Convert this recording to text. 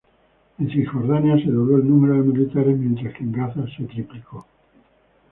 En Cisjordania se dobló el número de militares mientras que en Gaza se triplicó.